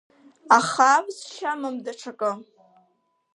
Аха авсшьа амам даҽакы.